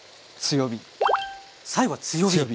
最後は強火。